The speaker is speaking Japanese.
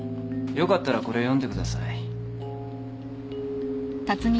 よかったらこれ読んでください。